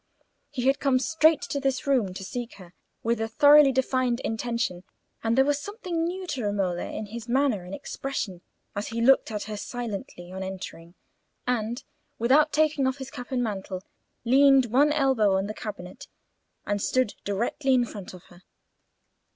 He had come straight to this room to seek her, with a thoroughly defined intention, and there was something new to Romola in his manner and expression as he looked at her silently on entering, and, without taking off his cap and mantle, leaned one elbow on the cabinet, and stood directly in front of her.